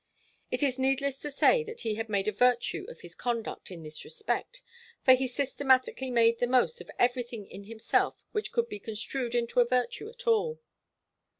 It is needless to say that he had made a virtue of his conduct in this respect, for he systematically made the most of everything in himself which could be construed into a virtue at all.